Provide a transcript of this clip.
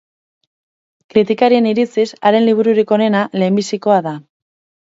Kritikarien iritziz, haren libururik onena lehenbizikoa da.